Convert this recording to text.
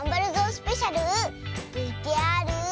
スペシャルＶＴＲ。